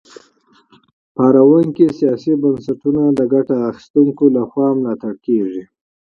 زبېښونکي سیاسي بنسټونه د ګټه اخیستونکو لخوا ملاتړ کېږي.